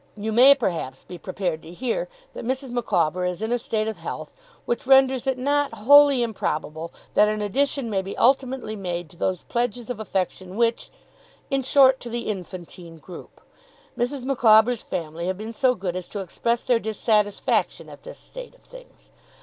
You may, perhaps, be prepared to hear that Mrs. Micawber is in a state of health which renders it not wholly improbable that an addition may be ultimately made to those pledges of affection which in short, to the infantine group. Mrs. Micawber's family have been so good as to express their dissatisfaction at this state of things.